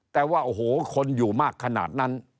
แต่ว่าโอ้โหคนอยู่มากขนาดนั้น